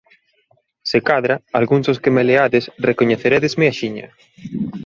Se cadra, algúns dos que me leades, recoñecerédesme axiña.